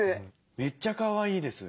めっちゃかわいいです。